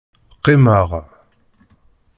Qimeɣ.